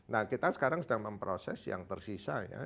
nah kita sekarang sedang memproses yang tersisa ya